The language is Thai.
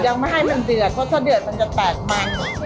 ยังไม่ให้มันเดือดเพราะถ้าเดือดมันจะแตกมัน